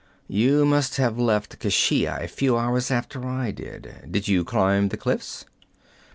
'You must have left Keshia a few hours after I did. Did you climb the cliffs?'